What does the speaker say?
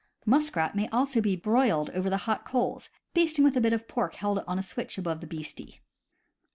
Muskrat may also be broiled over the hot coals, basting with a bit of pork held on a switch above the beastie.